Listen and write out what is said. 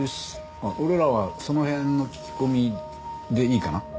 まあ俺らはその辺の聞き込みでいいかな？